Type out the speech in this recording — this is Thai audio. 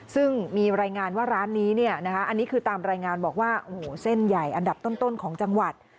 ซึ่งมีรายงานว่าร้านนี้เนี่ยนะคะอันนี้คือตามรายงานบอกว่าโอ้โหเส้นใหญ่อันดับต้นของจังหวัด